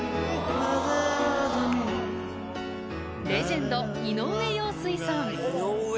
レジェンド井上陽水さん。